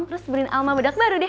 terus brin alma bedak baru deh